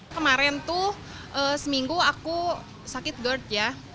kemarin tuh seminggu aku sakit gerd ya